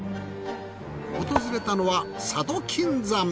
訪れたのは佐渡金山。